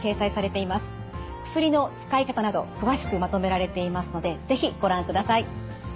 薬の使い方など詳しくまとめられていますので是非ご覧ください。